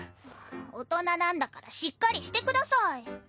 大人なんだからしっかりしてください。